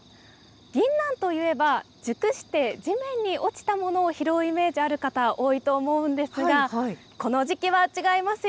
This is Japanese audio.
ぎんなんといえば、熟して地面に落ちたものを拾うイメージがある方、多いと思うんですが、この時期は違いますよ。